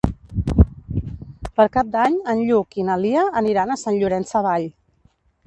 Per Cap d'Any en Lluc i na Lia aniran a Sant Llorenç Savall.